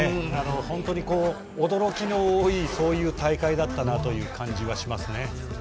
本当に、驚きの多い、そういう大会だったなという感じはしますね。